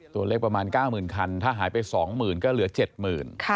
ตัวเลขประมาณ๙หมื่นคันถ้าหายไป๒หมื่นก็เหลือ๗หมื่น